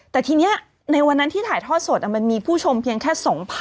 แต่ทีนี้ในวันนั้นที่ถ่ายทอดสดมันมีผู้ชมเพียงแค่๒๐๐๐